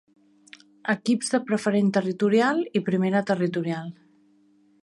Equips de Preferent Territorial i Primera Territorial.